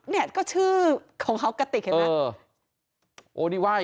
เนี่ยก็ชื่อของเขากระติกเห็นไหม